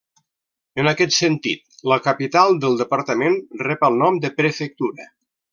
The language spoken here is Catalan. En aquest sentit, la capital del departament rep el nom de prefectura.